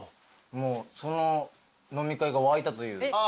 もうその飲み会が沸いたという。